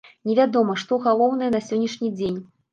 Невядома, што галоўнае на сённяшні дзень.